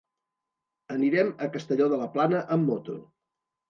Anirem a Castelló de la Plana amb moto.